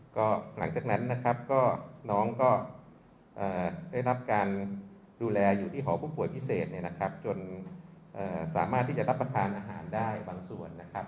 ก็หลังจากนั้นนะครับก็น้องก็ได้รับการดูแลอยู่ที่หอผู้ป่วยพิเศษเนี่ยนะครับจนสามารถที่จะรับประทานอาหารได้บางส่วนนะครับ